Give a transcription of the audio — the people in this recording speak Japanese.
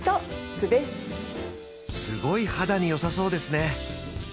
すごい肌によさそうですね